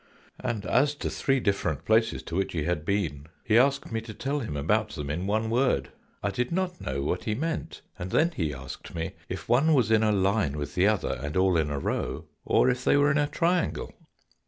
And as to three different places to which he had been he asked me to tell him about them in one word. I did not know what he meant, and then he asked me if one was in a line with the other and all in a row, or if they were in a triangle.